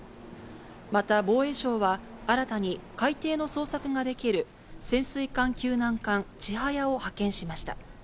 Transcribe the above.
また、防衛省は新たに海底の捜索ができる潜水艦救難艦ちはやを派遣しました。